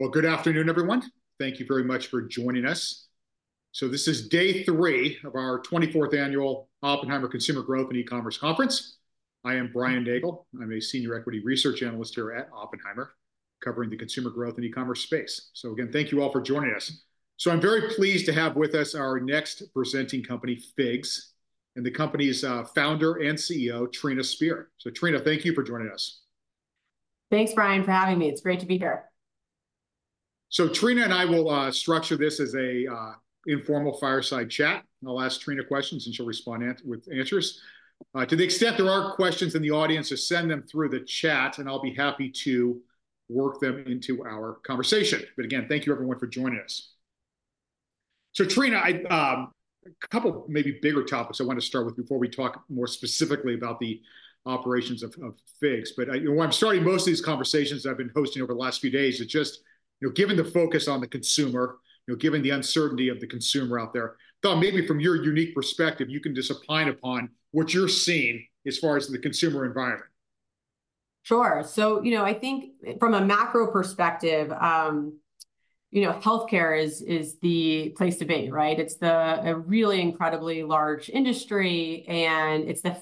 Well, good afternoon, everyone. Thank you very much for joining us. This is day three of our 24th Annual Oppenheimer Consumer Growth and E-commerce Conference. I am Brian Nagle. I'm a senior equity research analyst here at Oppenheimer, covering the consumer growth and e-commerce space. Again, thank you all for joining us. I'm very pleased to have with us our next presenting company, FIGS, and the company's founder and CEO, Trina Spear. Trina, thank you for joining us. Thanks, Brian, for having me. It's great to be here. So Trina and I will structure this as a informal fireside chat. I'll ask Trina questions, and she'll respond with answers. To the extent there are questions in the audience, just send them through the chat, and I'll be happy to work them into our conversation. But again, thank you everyone for joining us. So Trina, a couple maybe bigger topics I want to start with before we talk more specifically about the operations of FIGS. But, you know, I'm starting most of these conversations I've been hosting over the last few days with just, you know, given the focus on the consumer, you know, given the uncertainty of the consumer out there, thought maybe from your unique perspective, you can just opine upon what you're seeing as far as the consumer environment. Sure. So, you know, I think from a macro perspective, you know, healthcare is the place to be, right? It's a really incredibly large industry, and it's the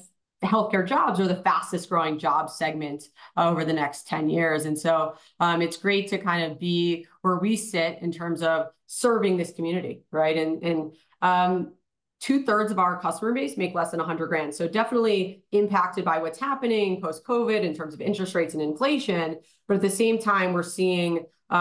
healthcare jobs are the fastest-growing job segment over the next 10 years. And so, it's great to kind of be where we sit in terms of serving this community, right? And, two-thirds of our customer base make less than $100,000, so definitely impacted by what's happening post-COVID in terms of interest rates and inflation, but at the same time, we're seeing, you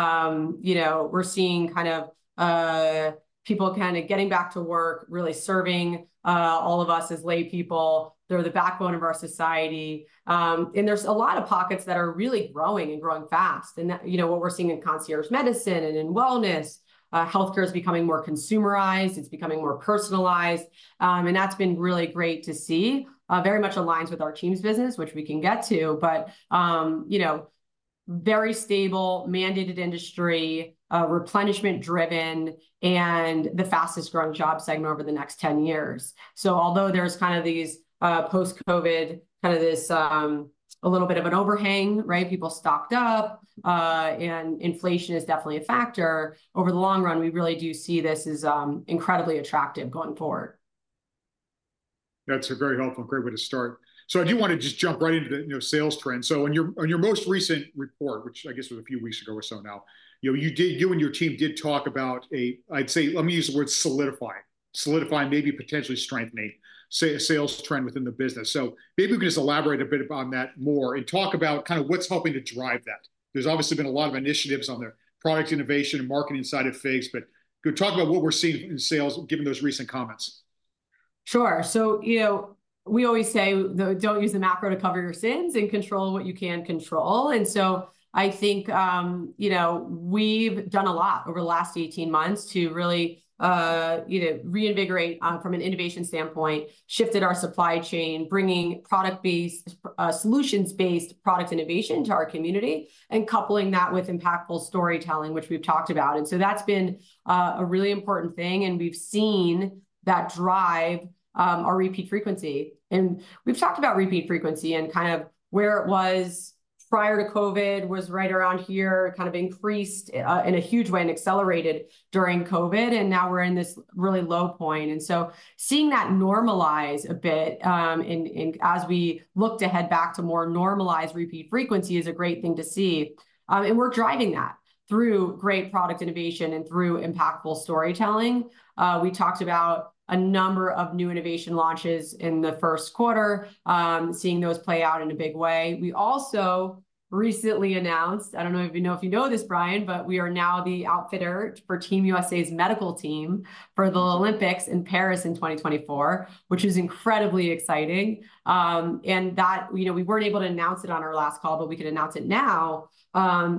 know, we're seeing kind of people kind of getting back to work, really serving all of us as laypeople. They're the backbone of our society. And there's a lot of pockets that are really growing and growing fast, and, you know, what we're seeing in concierge medicine and in wellness, healthcare is becoming more consumerized, it's becoming more personalized. And that's been really great to see. Very much aligns with our TEAMS business, which we can get to, but, you know, very stable, mandated industry, replenishment-driven, and the fastest-growing job segment over the next 10 years. So although there's kind of these, post-COVID, kind of this, a little bit of an overhang, right? People stocked up, and inflation is definitely a factor, over the long run, we really do see this as, incredibly attractive going forward. That's a very helpful and great way to start. So I do wanna just jump right into the, you know, sales trends. So on your, on your most recent report, which I guess was a few weeks ago or so now, you know, you and your team did talk about a, I'd say, let me use the word solidify. Solidify, maybe potentially strengthen, a sales trend within the business. So maybe you can just elaborate a bit upon that more and talk about kind of what's helping to drive that. There's obviously been a lot of initiatives on the product innovation and marketing side of FIGS, but could you talk about what we're seeing in sales, given those recent comments? Sure. So, you know, we always say, "Though don't use the macro to cover your sins and control what you can control." And so I think, you know, we've done a lot over the last 18 months to really, you know, reinvigorate from an innovation standpoint, shifted our supply chain, bringing product-based, solutions-based product innovation to our community, and coupling that with impactful storytelling, which we've talked about. And so that's been a really important thing, and we've seen that drive our repeat frequency. And we've talked about repeat frequency, and kind of where it was prior to COVID was right around here. It kind of increased in a huge way and accelerated during COVID, and now we're in this really low point. And so seeing that normalize a bit, and as we look to head back to more normalized repeat frequency is a great thing to see. And we're driving that through great product innovation and through impactful storytelling. We talked about a number of new innovation launches in the first quarter, seeing those play out in a big way. We also recently announced, I don't know if you know this, Brian, but we are now the outfitter for Team USA's medical team for the Olympics in Paris in 2024, which is incredibly exciting. And that, you know, we weren't able to announce it on our last call, but we could announce it now,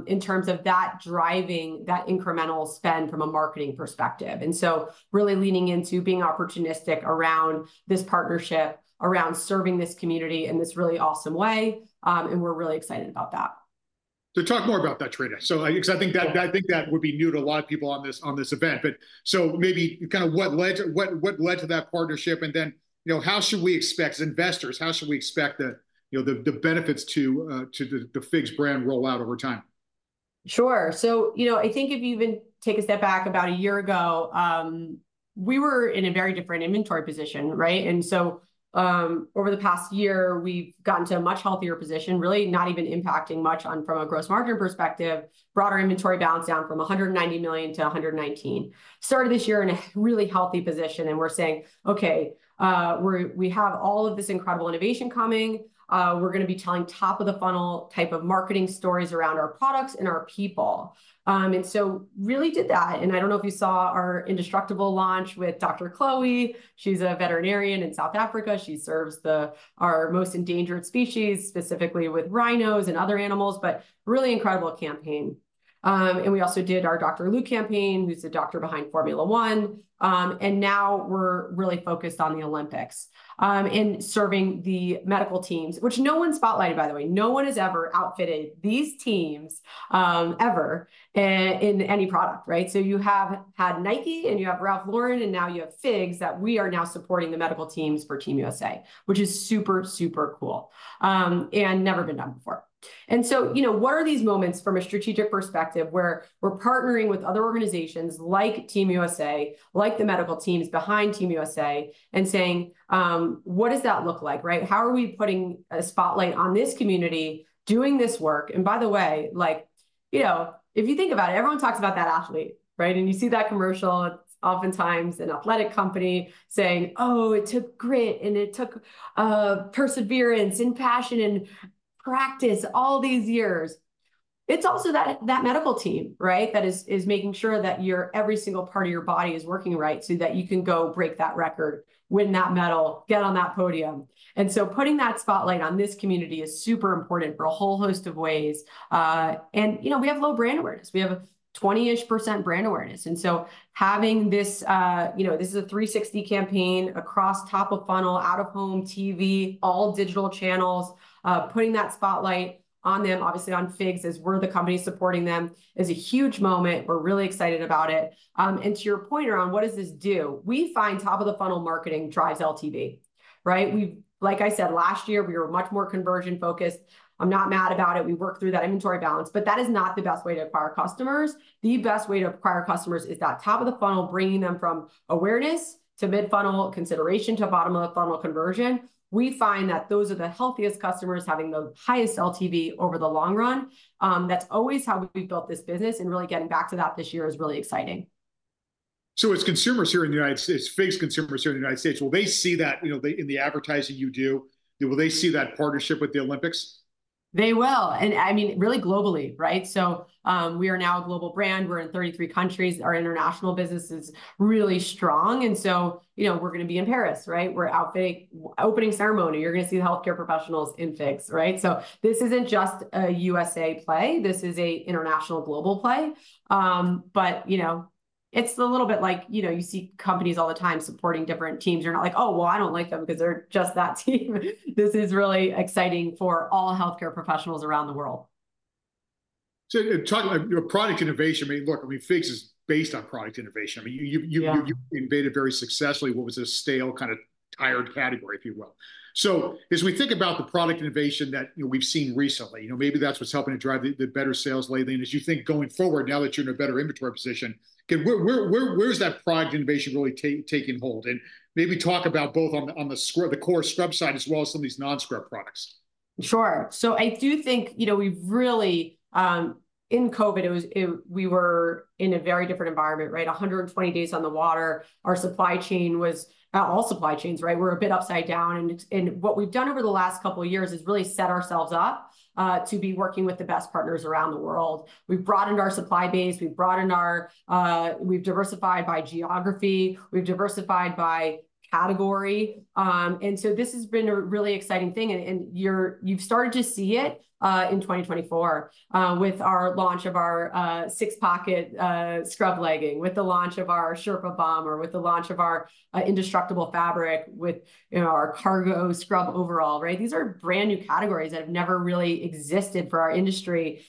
in terms of that driving that incremental spend from a marketing perspective. And so really leaning into being opportunistic around this partnership, around serving this community in this really awesome way, and we're really excited about that. So talk more about that, Trina. So, I, 'cause I think that, I think that would be new to a lot of people on this, on this event. But so maybe kind of what led to, what, what led to that partnership, and then, you know, how should we expect, as investors, how should we expect the, you know, the, the benefits to, to the, the FIGS brand roll out over time? Sure. So, you know, I think if you even take a step back about a year ago, we were in a very different inventory position, right? And so, over the past year, we've gotten to a much healthier position, really not even impacting much on from a gross margin perspective. Brought our inventory balance down from $190 million to $119 million. Started this year in a really healthy position, and we're saying: "Okay, we have all of this incredible innovation coming. We're gonna be telling top-of-the-funnel type of marketing stories around our products and our people." And so really did that, and I don't know if you saw our Indestructible launch with Dr. Chloe. She's a veterinarian in South Africa. She serves the, our most endangered species, specifically with rhinos and other animals, but really incredible campaign. And we also did our Dr. Lou campaign, who's the doctor behind Formula One, and now we're really focused on the Olympics, in serving the medical teams, which no one's spotlighted, by the way. No one has ever outfitted these teams, ever, in any product, right? So you have had Nike, and you have Ralph Lauren, and now you have FIGS, that we are now supporting the medical teams for Team USA, which is super, super cool, and never been done before. And so, you know, what are these moments from a strategic perspective where we're partnering with other organizations like Team USA, like the medical teams behind Team USA, and saying, "What does that look like?" Right? How are we putting a spotlight on this community doing this work? And by the way, like, you know, if you think about it, everyone talks about that athlete, right? You see that commercial, oftentimes an athletic company saying, "Oh, it took grit, and it took perseverance, and passion, and practice all these years." It's also that, that medical team, right, that is making sure that your every single part of your body is working right, so that you can go break that record, win that medal, get on that podium. And so putting that spotlight on this community is super important for a whole host of ways. And, you know, we have low brand awareness. We have a 20%-ish brand awareness, and so having this, you know, this is a 360 campaign across top-of-funnel, out-of-home TV, all digital channels. Putting that spotlight on them, obviously on FIGS, as we're the company supporting them, is a huge moment. We're really excited about it. And to your point around what does this do, we find top-of-the-funnel marketing drives LTV, right? We've, like I said, last year we were much more conversion-focused. I'm not mad about it. We worked through that inventory balance, but that is not the best way to acquire customers. The best way to acquire customers is that top-of-the-funnel, bringing them from awareness to mid-funnel consideration to bottom-of-the-funnel conversion. We find that those are the healthiest customers, having the highest LTV over the long run. That's always how we've built this business, and really getting back to that this year is really exciting. So as consumers here in the United States, FIGS consumers here in the United States, will they see that, you know, the, in the advertising you do, will they see that partnership with the Olympics? They will, and, I mean, really globally, right? So, we are now a global brand. We're in 33 countries. Our international business is really strong, and so, you know, we're gonna be in Paris, right? We're outfitting the opening ceremony, you're gonna see the healthcare professionals in FIGS, right? So this isn't just a U.S.A. play. This is an international global play. But, you know, it's a little bit like, you know, you see companies all the time supporting different teams. You're not like, "Oh, well, I don't like them because they're just that team." This is really exciting for all healthcare professionals around the world. So, talk, like, your product innovation, I mean, look, I mean, FIGS is based on product innovation. I mean, you've- Yeah... you've innovated very successfully what was a stale, kind of tired category, if you will. So as we think about the product innovation that, you know, we've seen recently, you know, maybe that's what's helping to drive the better sales lately. And as you think going forward, now that you're in a better inventory position, can... Where is that product innovation really taking hold? And maybe talk about both on the core scrub side, as well as some of these non-scrub products. Sure. So I do think, you know, we've really... In COVID, it was, we were in a very different environment, right? 120 days on the water, our supply chain was, all supply chains, right, were a bit upside down. And what we've done over the last couple of years is really set ourselves up to be working with the best partners around the world. We've broadened our supply base, we've broadened our, we've diversified by geography, we've diversified by category. And so this has been a really exciting thing, and you've started to see it in 2024 with our launch of our Six-Pocket Scrub Legging, with the launch of our Sherpa Bomber, with the launch of our Indestructible fabric, with, you know, our Cargo Scrub overall, right? These are brand-new categories that have never really existed for our industry.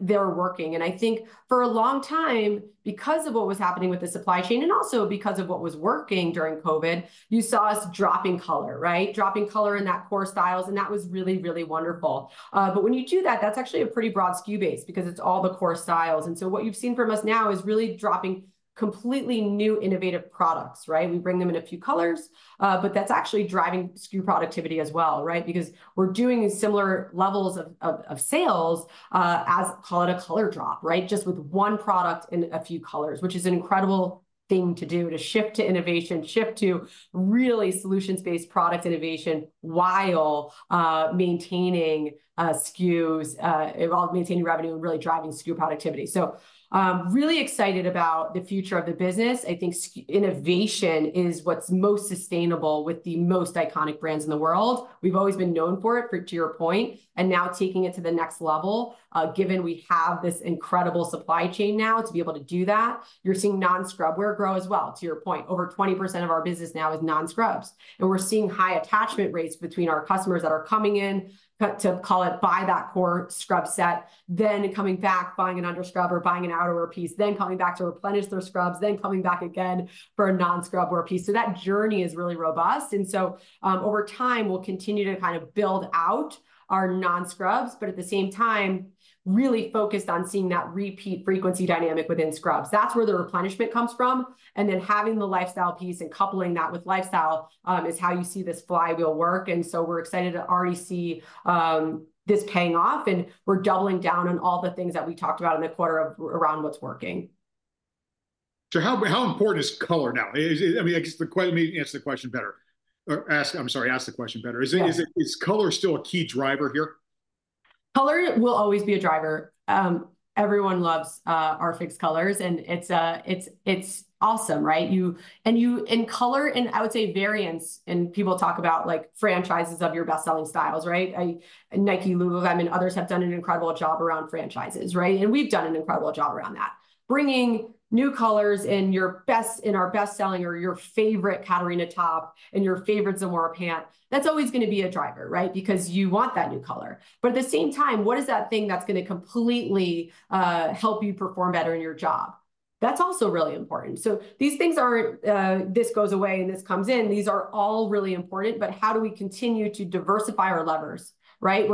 They're working. I think for a long time, because of what was happening with the supply chain, and also because of what was working during COVID, you saw us dropping color, right? Dropping color in that core styles, and that was really, really wonderful. But when you do that, that's actually a pretty broad SKU base because it's all the core styles. What you've seen from us now is really dropping completely new, innovative products, right? We bring them in a few colors, but that's actually driving SKU productivity as well, right? Because we're doing similar levels of sales as, call it a color drop, right? Just with one product in a few colors, which is an incredible thing to do to shift to innovation, shift to really solutions-based product innovation while maintaining SKUs while maintaining revenue and really driving SKU productivity. So, I'm really excited about the future of the business. I think SKU-innovation is what's most sustainable with the most iconic brands in the world. We've always been known for it, for, to your point, and now taking it to the next level, given we have this incredible supply chain now to be able to do that. You're seeing non-scrub wear grow as well. To your point, over 20% of our business now is non-scrubs, and we're seeing high attachment rates between our customers that are coming in to call it buy that core scrub set, then coming back, buying an underscrub or buying an outerwear piece, then coming back to replenish their scrubs, then coming back again for a non-scrub wear piece. So that journey is really robust. And so, over time, we'll continue to kind of build out our non-scrubs, but at the same time, really focused on seeing that repeat frequency dynamic within scrubs. That's where the replenishment comes from. And then having the lifestyle piece and coupling that with lifestyle is how you see this flywheel work, and so we're excited to already see this paying off, and we're doubling down on all the things that we talked about in the quarter of around what's working. So how important is color now? Is it... I mean, I guess, let me answer the question better. Or ask, I'm sorry, ask the question better. Yeah. Is color still a key driver here? Color will always be a driver. Everyone loves our FIGS colors, and it's awesome, right? Color, and I would say variance, and people talk about, like, franchises of your best-selling styles, right? Nike, Lululemon, others have done an incredible job around franchises, right? And we've done an incredible job around that. Bringing new colors in our best-selling or your favorite Catarina Top, in your favorite Zamora Pant, that's always gonna be a driver, right? Because you want that new color. But at the same time, what is that thing that's gonna completely help you perform better in your job? That's also really important. So these things aren't, this goes away, and this comes in. These are all really important, but how do we continue to diversify our levers, right?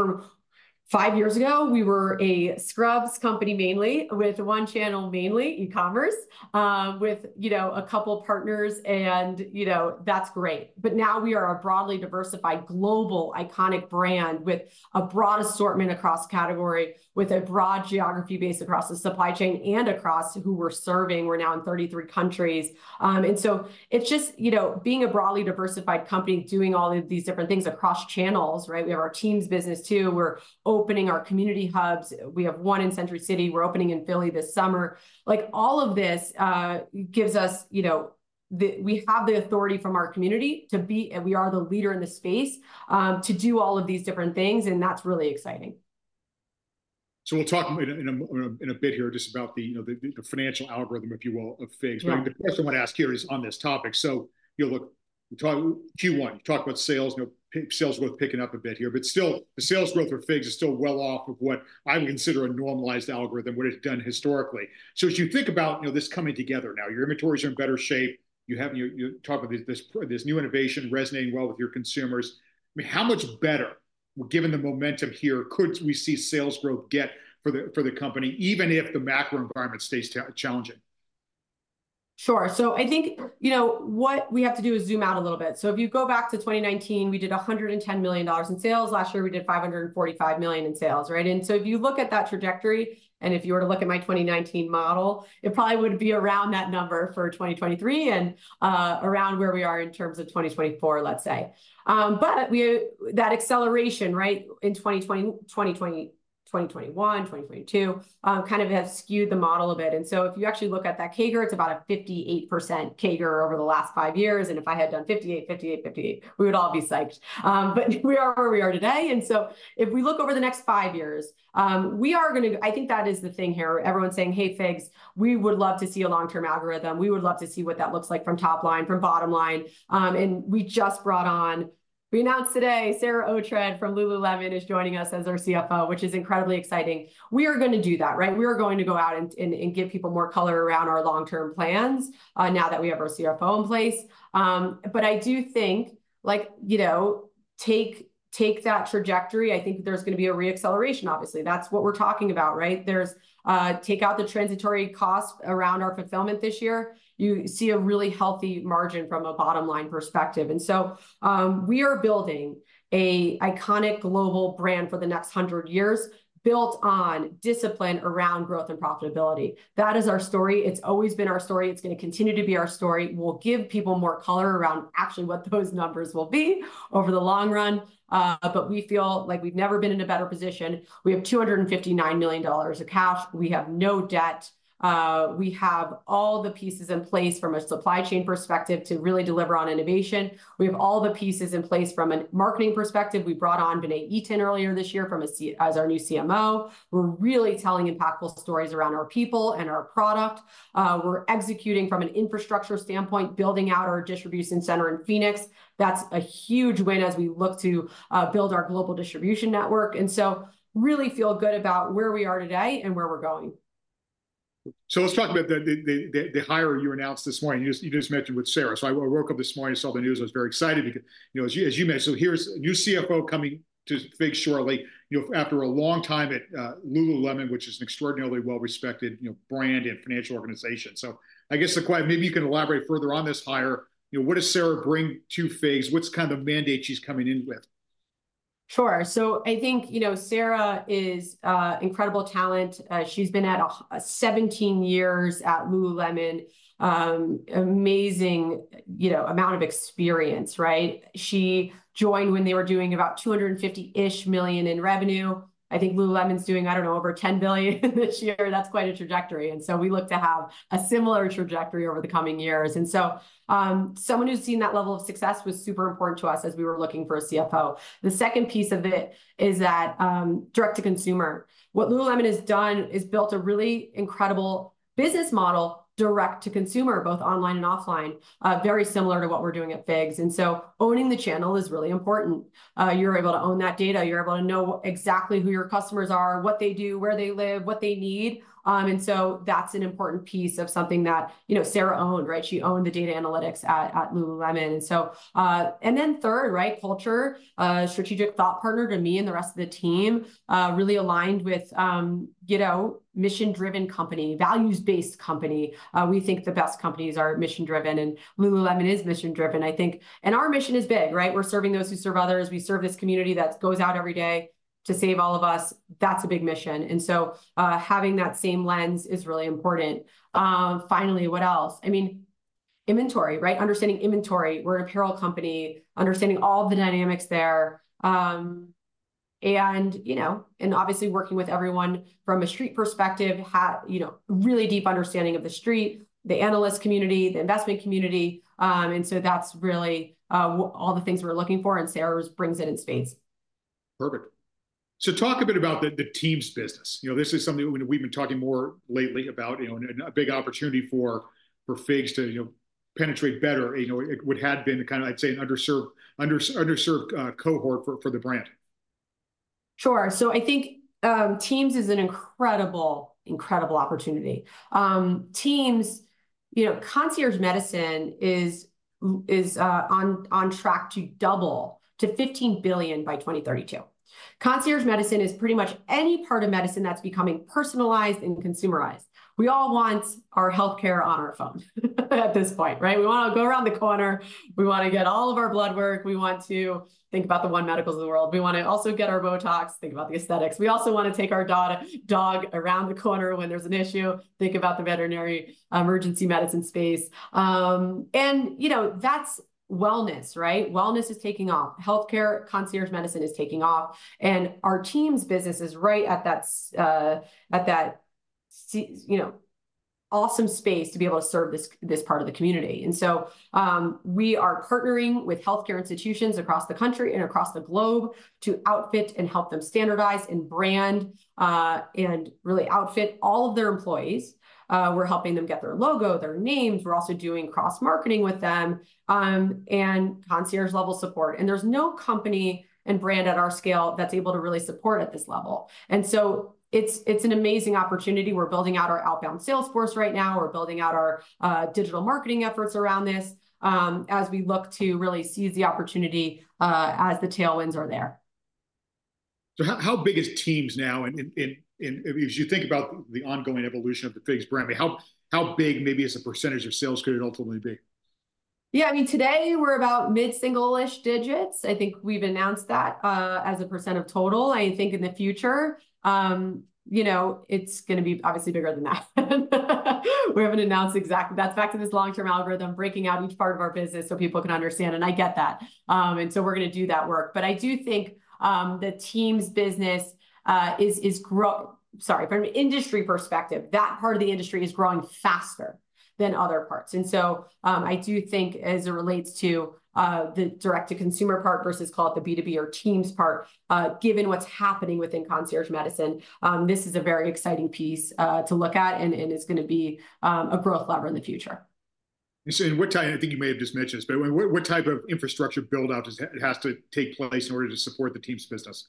Five years ago, we were a scrubs company mainly, with one channel mainly, e-commerce, with, you know, a couple partners, and, you know, that's great, but now we are a broadly diversified global iconic brand with a broad assortment across category, with a broad geography base across the supply chain and across who we're serving. We're now in 33 countries. And so it's just, you know, being a broadly diversified company, doing all of these different things across channels, right? We have our TEAMS business, too. We're opening our Community Hubs. We have one in Century City. We're opening in Philly this summer. Like, all of this gives us, you know. We have the authority from our community to be, and we are the leader in the space, to do all of these different things, and that's really exciting. So we'll talk in a bit here just about the, you know, the financial algorithm, if you will, of FIGS. Right. But the question I want to ask here is on this topic. So, you know, look, we talked about Q1, you talked about sales, you know, sales growth picking up a bit here, but still the sales growth for FIGS is still well off of what I would consider a normalized algorithm, what it's done historically. So as you think about, you know, this coming together now, your inventories are in better shape. You have, you talked about this new innovation resonating well with your consumers. I mean, how much better, given the momentum here, could we see sales growth get for the company, even if the macro environment stays challenging? Sure. So I think, you know, what we have to do is zoom out a little bit. So if you go back to 2019, we did $110 million in sales. Last year, we did $545 million in sales, right? And so if you look at that trajectory, and if you were to look at my 2019 model, it probably would be around that number for 2023 and around where we are in terms of 2024, let's say. But we- that acceleration, right, in 2020-2020, 2021, 2022, kind of have skewed the model a bit. And so if you actually look at that CAGR, it's about a 58% CAGR over the last five years, and if I had done 58, 58, 58, we would all be psyched. But we are where we are today, and so if we look over the next five years, we are gonna. I think that is the thing here, everyone saying, "Hey, FIGS, we would love to see a long-term algorithm. We would love to see what that looks like from top line, from bottom line." And we just brought on, we announced today Sarah Oughtred from Lululemon is joining us as our CFO, which is incredibly exciting. We are gonna do that, right? We are going to go out and and give people more color around our long-term plans, now that we have our CFO in place. But I do think, like, you know, take that trajectory, I think there's gonna be a re-acceleration obviously. That's what we're talking about, right? Take out the transitory costs around our fulfillment this year, you see a really healthy margin from a bottom line perspective. So, we are building an iconic global brand for the next 100 years built on discipline around growth and profitability. That is our story. It's always been our story. It's gonna continue to be our story. We'll give people more color around actually what those numbers will be over the long run. But we feel like we've never been in a better position. We have $259 million of cash. We have no debt. We have all the pieces in place from a supply chain perspective to really deliver on innovation. We have all the pieces in place from a marketing perspective. We brought on Bené Eaton earlier this year from Converse as our new CMO. We're really telling impactful stories around our people and our product. We're executing from an infrastructure standpoint, building out our distribution center in Phoenix. That's a huge win as we look to build our global distribution network, and so really feel good about where we are today and where we're going. So let's talk about the hire you announced this morning. You just mentioned with Sarah. So I woke up this morning, saw the news. I was very excited because, you know, as you mentioned... So here's a new CFO coming to FIGS shortly, you know, after a long time at Lululemon, which is an extraordinarily well-respected, you know, brand and financial organization. So I guess maybe you can elaborate further on this hire. You know, what does Sarah bring to FIGS? What's the kind of mandate she's coming in with? Sure. So I think, you know, Sarah is incredible talent. She's been at 17 years at Lululemon. Amazing, you know, amount of experience, right? She joined when they were doing about $250 million in revenue. I think Lululemon's doing, I don't know, over $10 billion this year. That's quite a trajectory, and so we look to have a similar trajectory over the coming years. And so, someone who's seen that level of success was super important to us as we were looking for a CFO. The second piece of it is that, direct to consumer. What Lululemon has done is built a really incredible business model, direct to consumer, both online and offline, very similar to what we're doing at FIGS, and so owning the channel is really important. You're able to own that data. You're able to know exactly who your customers are, what they do, where they live, what they need, and so that's an important piece of something that, you know, Sarah owned, right? She owned the data analytics at Lululemon. And so, and then third, right, culture. Strategic thought partner to me and the rest of the team, really aligned with, you know, mission-driven company, values-based company. We think the best companies are mission-driven, and Lululemon is mission-driven, I think. And our mission is big, right? We're serving those who serve others. We serve this community that goes out every day to save all of us. That's a big mission, and so, having that same lens is really important. Finally, what else? I mean, inventory, right? Understanding inventory. We're an apparel company, understanding all the dynamics there. And, you know, and obviously working with everyone from a street perspective, you know, really deep understanding of the street, the analyst community, the investment community, and so that's really all the things we're looking for, and Sarah brings it in spades. Perfect. So talk a bit about the TEAMS business. You know, this is something we've been talking more lately about, you know, and a big opportunity for FIGS to, you know, penetrate better. You know, it had been a kind of, I'd say, an underserved cohort for the brand.... Sure. So I think, TEAMS is an incredible, incredible opportunity. TEAMS, you know, concierge medicine is on track to double to $15 billion by 2032. Concierge medicine is pretty much any part of medicine that's becoming personalized and consumerized. We all want our healthcare on our phone at this point, right? We want to go around the corner, we want to get all of our blood work, we want to think about the One Medicals of the world. We want to also get our Botox, think about the aesthetics. We also want to take our dog around the corner when there's an issue, think about the veterinary emergency medicine space. And, you know, that's wellness, right? Wellness is taking off. Healthcare concierge medicine is taking off, and our Teams business is right at that, you know, awesome space to be able to serve this, this part of the community. So, we are partnering with healthcare institutions across the country and across the globe to outfit and help them standardize and brand, and really outfit all of their employees. We're helping them get their logo, their names. We're also doing cross-marketing with them, and concierge-level support. And there's no company and brand at our scale that's able to really support at this level, so it's an amazing opportunity. We're building out our outbound sales force right now. We're building out our digital marketing efforts around this, as we look to really seize the opportunity, as the tailwinds are there. How big is TEAMS now? And as you think about the ongoing evolution of the FIGS brand, I mean, how big maybe as a percentage of sales could it ultimately be? Yeah, I mean, today we're about mid-single-ish digits. I think we've announced that, as a percent of total. I think in the future, you know, it's gonna be obviously bigger than that. We haven't announced exactly. That's back to this long-term algorithm, breaking out each part of our business so people can understand, and I get that. And so we're gonna do that work. But I do think, the Teams business, from an industry perspective, that part of the industry is growing faster than other parts. And so, I do think as it relates to, the direct-to-consumer part versus, call it, the B2B or Teams part, given what's happening within concierge medicine, this is a very exciting piece, to look at, and, it's gonna be, a growth lever in the future. And so what type... I think you may have just mentioned this, but what, what type of infrastructure build-out does, has to take place in order to support the TEAMS business?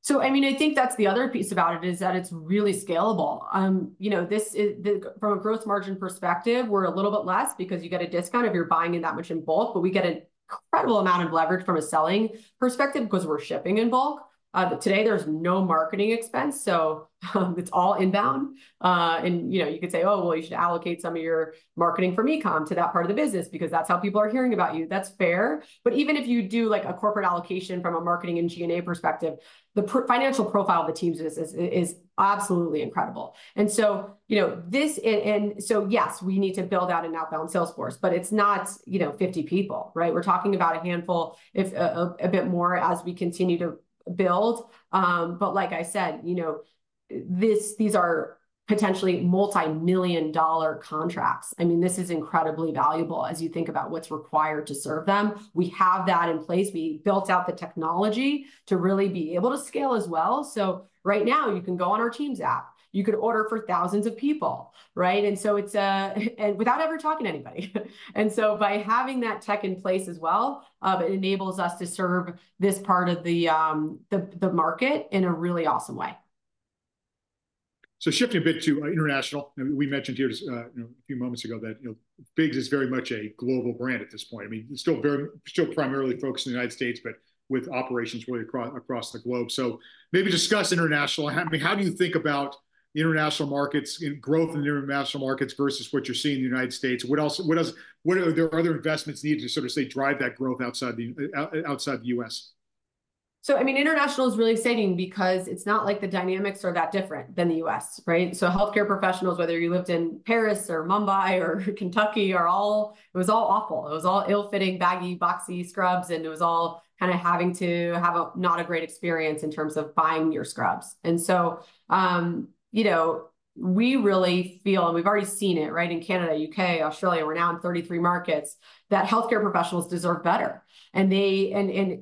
So I mean, I think that's the other piece about it, is that it's really scalable. You know, this is, from a growth margin perspective, we're a little bit less because you get a discount if you're buying that much in bulk, but we get an incredible amount of leverage from a selling perspective 'cause we're shipping in bulk. But today there's no marketing expense, so it's all inbound. And, you know, you could say, "Oh, well, you should allocate some of your marketing from e-com to that part of the business, because that's how people are hearing about you." That's fair, but even if you do, like, a corporate allocation from a marketing and G&A perspective, the financial profile of the Teams business is absolutely incredible. And so yes, we need to build out an outbound sales force, but it's not, you know, 50 people, right? We're talking about a handful, a bit more, as we continue to build. But like I said, you know, these are potentially multimillion-dollar contracts. I mean, this is incredibly valuable as you think about what's required to serve them. We have that in place. We built out the technology to really be able to scale as well. So right now, you can go on our TEAMS app. You could order for thousands of people, right? And so it's and without ever talking to anybody. And so by having that tech in place as well, it enables us to serve this part of the market in a really awesome way. So shifting a bit to international, I mean, we mentioned here, you know, a few moments ago that, you know, FIGS is very much a global brand at this point. I mean, it's still primarily focused in the United States, but with operations really across the globe. So maybe discuss international. I mean, how do you think about international markets and growth in the international markets versus what you're seeing in the United States? What other investments are needed to sort of drive that growth outside the U.S.? So, I mean, international is really exciting because it's not like the dynamics are that different than the U.S., right? So healthcare professionals, whether you lived in Paris or Mumbai or Kentucky, are all... It was all awful. It was all ill-fitting, baggy, boxy scrubs, and it was all kind of having to have a not a great experience in terms of buying your scrubs. And so, you know, we really feel, and we've already seen it, right, in Canada, U.K., Australia, we're now in 33 markets, that healthcare professionals deserve better. And they,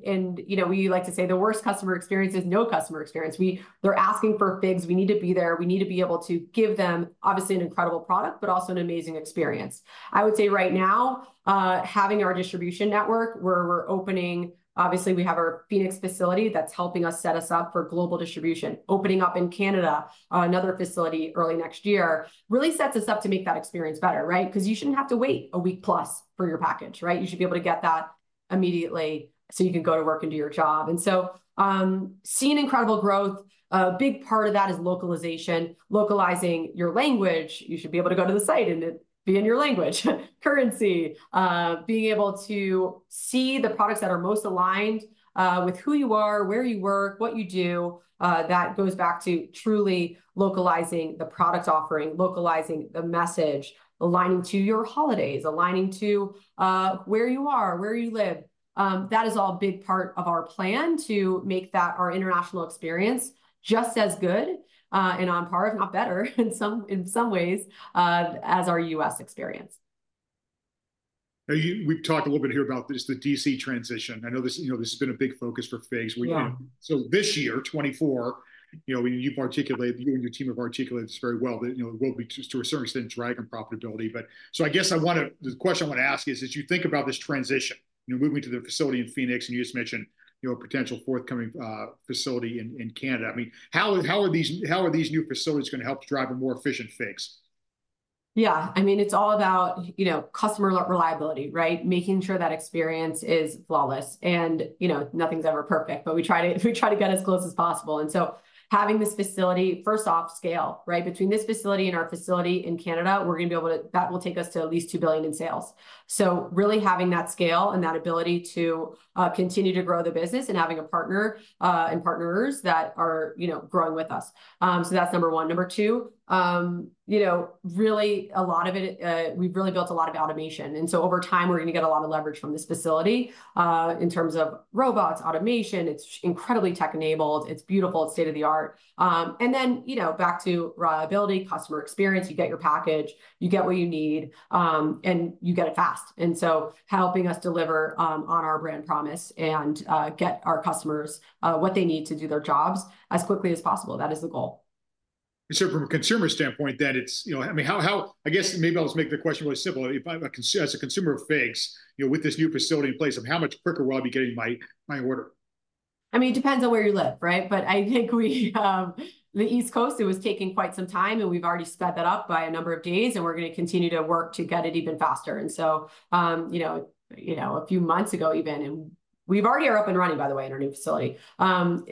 you know, we like to say, "The worst customer experience is no customer experience." We're they're asking for FIGS, we need to be there, we need to be able to give them obviously an incredible product, but also an amazing experience. I would say right now, having our distribution network, where we're opening... Obviously, we have our Phoenix facility that's helping us set us up for global distribution. Opening up in Canada, another facility early next year, really sets us up to make that experience better, right? 'Cause you shouldn't have to wait a week-plus for your package, right? You should be able to get that immediately so you can go to work and do your job. And so, seeing incredible growth, a big part of that is localization, localizing your language. You should be able to go to the site and it be in your language. Currency, being able to see the products that are most aligned, with who you are, where you work, what you do. That goes back to truly localizing the product offering, localizing the message, aligning to your holidays, aligning to where you are, where you live. That is all a big part of our plan, to make that our international experience just as good and on par, if not better, in some ways as our U.S. experience. Now, we've talked a little bit here about this, the DC transition. I know this, you know, this has been a big focus for FIGS. Yeah. Well, so this year, 2024, you know, when you've articulated, you and your team have articulated this very well, that, you know, it will be, to, to a certain extent, drive profitability. But so I guess I want to... The question I want to ask is, as you think about this transition, you know, moving to the facility in Phoenix, and you just mentioned, you know, a potential forthcoming facility in Canada, I mean, how, how are these, how are these new facilities gonna help drive a more efficient FIGS?... Yeah, I mean, it's all about, you know, customer reliability, right? Making sure that experience is flawless. And, you know, nothing's ever perfect, but we try to, we try to get as close as possible. And so having this facility, first off, scale, right? Between this facility and our facility in Canada, we're gonna be able to—that will take us to at least $2 billion in sales. So really having that scale and that ability to continue to grow the business, and having a partner and partners that are, you know, growing with us. So that's number one. Number two, you know, really a lot of it, we've really built a lot of automation, and so over time, we're gonna get a lot of leverage from this facility in terms of robots, automation. It's incredibly tech-enabled, it's beautiful, state-of-the-art. you know, back to reliability, customer experience, you get your package, you get what you need, and you get it fast. Helping us deliver on our brand promise and get our customers what they need to do their jobs as quickly as possible, that is the goal. So from a consumer standpoint, then, it's... You know, I mean, how... I guess maybe I'll just make the question really simple. If I'm a consumer of FIGS, you know, with this new facility in place, how much quicker will I be getting my order? I mean, it depends on where you live, right? But I think we, the East Coast, it was taking quite some time, and we've already sped that up by a number of days, and we're gonna continue to work to get it even faster. And so, you know, a few months ago, even, and we've already are up and running, by the way, in our new facility. And,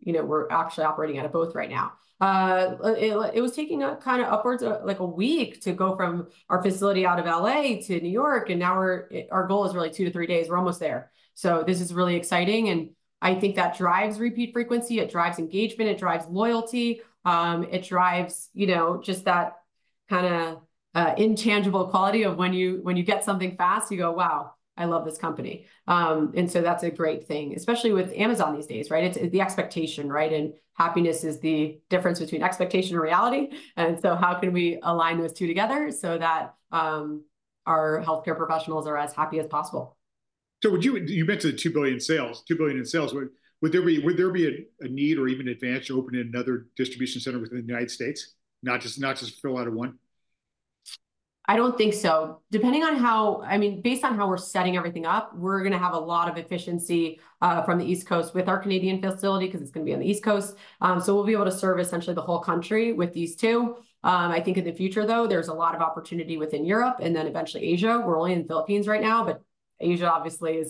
you know, we're actually operating out of both right now. It was taking kind of upwards of, like, a week to go from our facility out of L.A. to New York, and now we're, our goal is really two to three days. We're almost there. So this is really exciting, and I think that drives repeat frequency, it drives engagement, it drives loyalty. It drives, you know, just that kind of intangible quality of when you, when you get something fast, you go, "Wow, I love this company." And so that's a great thing, especially with Amazon these days, right? It's the expectation, right? And happiness is the difference between expectation and reality. And so how can we align those two together so that our healthcare professionals are as happy as possible? So, you mentioned $2 billion in sales, $2 billion in sales. Would there be a need or even advantage to opening another distribution center within the United States, not just to fill out of one? I don't think so. I mean, based on how we're setting everything up, we're gonna have a lot of efficiency from the East Coast with our Canadian facility, 'cause it's gonna be on the East Coast. So we'll be able to serve essentially the whole country with these two. I think in the future, though, there's a lot of opportunity within Europe and then eventually Asia. We're only in the Philippines right now, but Asia obviously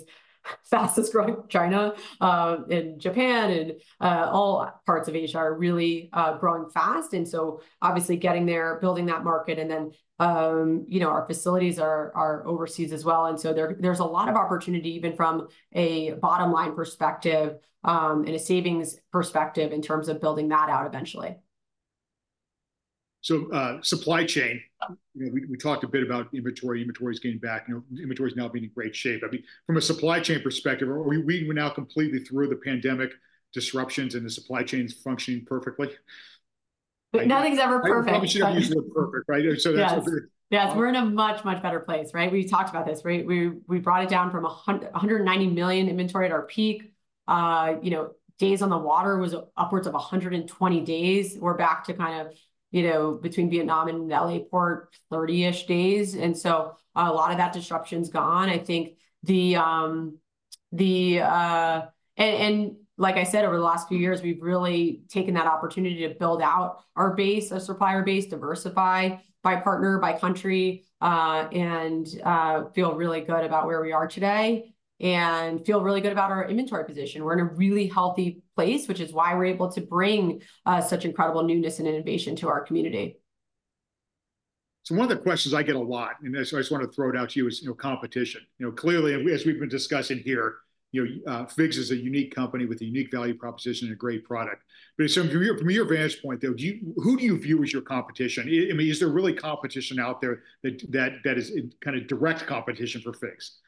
is fastest growing. China, and Japan and all parts of Asia are really growing fast. And so obviously, getting there, building that market, and then you know, our facilities are overseas as well. And so there's a lot of opportunity, even from a bottom-line perspective, and a savings perspective in terms of building that out eventually. So, supply chain. Um. You know, we talked a bit about inventory. Inventory's getting back, you know, inventory's now been in great shape. I mean, from a supply chain perspective, are we now completely through the pandemic disruptions and the supply chain's functioning perfectly? Nothing's ever perfect, but- I probably shouldn't have used the word perfect, right? So that's what we're- Yes. Yes, we're in a much, much better place, right? We talked about this, right? We, we brought it down from $190 million inventory at our peak. You know, days on the water was upwards of 120 days. We're back to kind of, you know, between Vietnam and L.A. Port, 30-ish days, and so a lot of that disruption's gone. I think the... And like I said, over the last few years, we've really taken that opportunity to build out our base, our supplier base, diversify by partner, by country, and feel really good about where we are today, and feel really good about our inventory position. We're in a really healthy place, which is why we're able to bring such incredible newness and innovation to our community. So one of the questions I get a lot, and I, so I just wanna throw it out to you, is, you know, competition. You know, clearly, as we've been discussing here, you know, FIGS is a unique company with a unique value proposition and a great product. But so from your, from your vantage point, though, do you, who do you view as your competition? I mean, is there really competition out there that, that, that is in kind of direct competition for FIGS?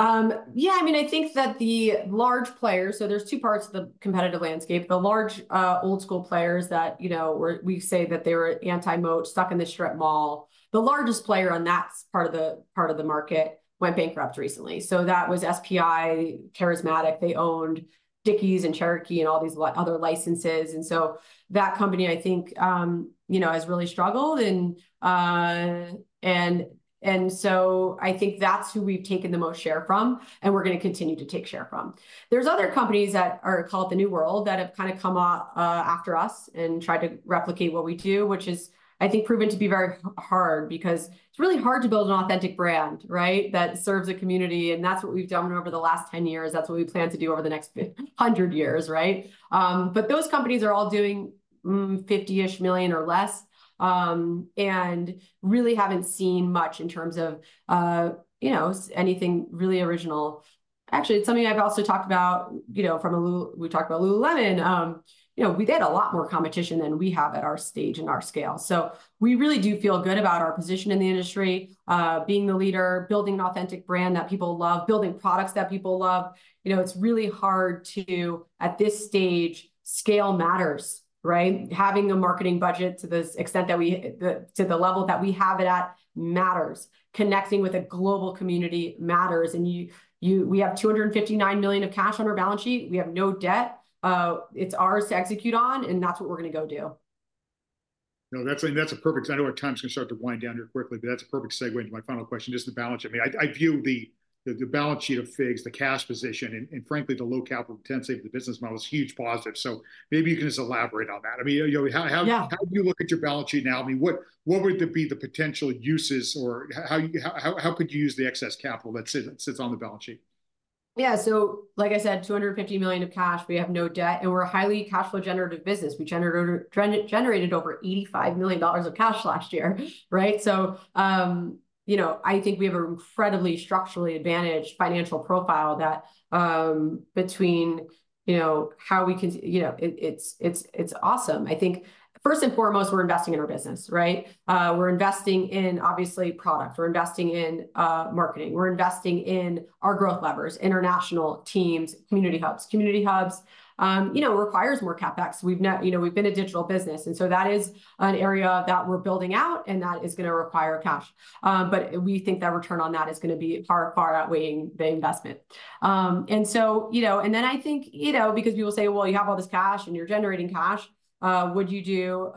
Yeah, I mean, I think that the large players, so there's two parts to the competitive landscape. The large, old-school players that, you know, we say that they were anti-moat, stuck in the strip mall. The largest player on that part of the, part of the market went bankrupt recently. So that was SPI, Careismatic, they owned Dickies and Cherokee and all these other licenses. And so that company, I think, you know, has really struggled. And so I think that's who we've taken the most share from, and we're gonna continue to take share from. There's other companies that are called the new world, that have kind of come up, after us and tried to replicate what we do, which is, I think, proven to be very hard. Because it's really hard to build an authentic brand, right, that serves a community, and that's what we've done over the last 10 years. That's what we plan to do over the next 100 years, right? But those companies are all doing $50-ish million or less, and really haven't seen much in terms of, you know, anything really original. Actually, it's something I've also talked about, you know, we talked about Lululemon. You know, they had a lot more competition than we have at our stage and our scale. So we really do feel good about our position in the industry, being the leader, building an authentic brand that people love, building products that people love. You know, it's really hard to... At this stage, scale matters, right? Having a marketing budget to the extent that we to the level that we have it at, matters. Connecting with a global community matters. And we have $259 million of cash on our balance sheet, we have no debt. It's ours to execute on, and that's what we're gonna go do. No, that's a perfect... I know our time's gonna start to wind down here quickly, but that's a perfect segue into my final question, just the balance sheet. I mean, I view the... the balance sheet of FIGS, the cash position, and frankly, the low capital intensity of the business model is a huge positive. So maybe you can just elaborate on that. I mean, you know, how, how- Yeah. How do you look at your balance sheet now? I mean, what would there be the potential uses or how could you use the excess capital that sits on the balance sheet? Yeah, so like I said, $250 million of cash, we have no debt, and we're a highly cash flow generative business. We generated over $85 million of cash last year, right? So, you know, I think we have a incredibly structurally advantaged financial profile that, between, you know, how we can. You know, it's awesome. I think first and foremost, we're investing in our business, right? We're investing in, obviously, product. We're investing in marketing. We're investing in our growth levers, international teams, Community Hubs. Community Hubs, you know, requires more CapEx. You know, we've been a digital business, and so that is an area that we're building out, and that is gonna require cash. But we think the return on that is gonna be far, far outweighing the investment. And so, you know, and then I think, you know, because people say, "Well, you have all this cash, and you're generating cash, would you do,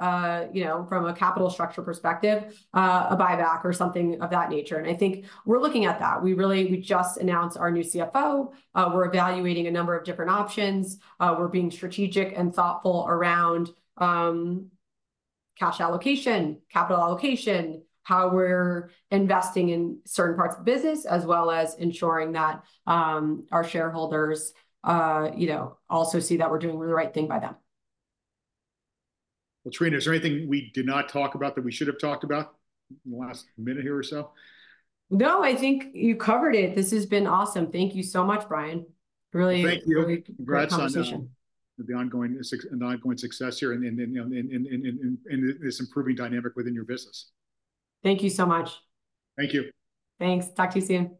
you know, from a capital structure perspective, a buyback or something of that nature?" And I think we're looking at that. We just announced our new CFO. We're evaluating a number of different options. We're being strategic and thoughtful around cash allocation, capital allocation, how we're investing in certain parts of the business, as well as ensuring that our shareholders, you know, also see that we're doing the right thing by them. Well, Trina, is there anything we did not talk about that we should have talked about in the last minute here or so? No, I think you covered it. This has been awesome. Thank you so much, Brian. Really- Well, thank you.... really great conversation. Congrats on the ongoing success here and, you know, this improving dynamic within your business. Thank you so much. Thank you. Thanks. Talk to you soon.